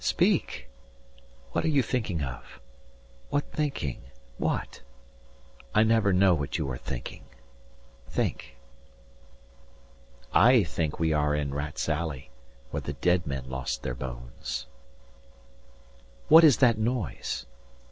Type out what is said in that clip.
Speak. What are you thinking of? What thinking? What? I never know what you are thinking. Think." I think we are in rats' alley 115 Where the dead men lost their bones. "What is that noise?"